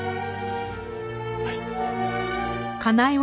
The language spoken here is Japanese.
はい。